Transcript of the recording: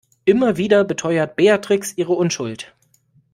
Immer wieder beteuert Beatrix ihre Unschuld.